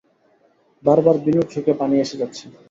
বারবার বিনুর চোখে পানি এসে যাচ্ছে।